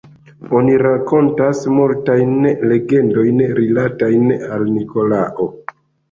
Oni rakontas multajn legendojn rilatajn al Nikolao.